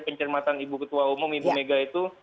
pencermatan ibu ketua umum ibu mega itu